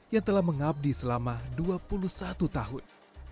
yang telah mengabdi selama dua puluh satu tahun